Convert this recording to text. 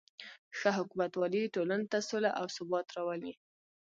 ښه حکومتولي ټولنې ته سوله او ثبات راولي.